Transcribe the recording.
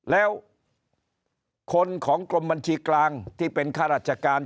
แล้วคนของกรมบัญชีกลางที่เป็นข้าราชการ